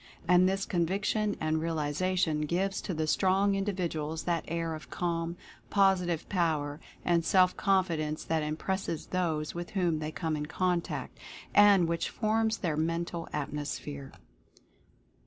And this conviction and realization gives to the strong individuals that air of calm, positive Power and Self Confidence that im presses those with whom they come in contact and which forms their Mental Atmosphere.